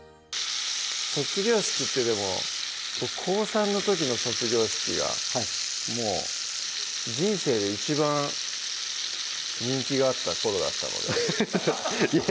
卒業式ってでも高３の時の卒業式がはい人生で一番人気があった頃だったのでいえ